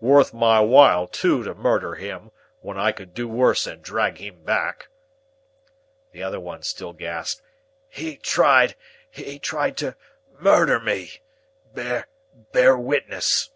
Worth my while, too, to murder him, when I could do worse and drag him back!" The other one still gasped, "He tried—he tried to—murder me. Bear—bear witness."